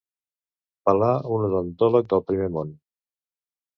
Pelà un odontòleg del primer món.